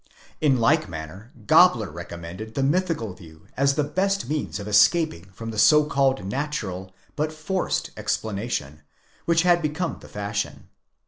In like manner Gabler recommended the mythical view, as the best means of escaping from the so called natural, but forced explanation, which had ᾿ become the fashion.